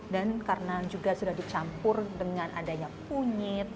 dan karena juga sudah dicampur dengan adanya punyit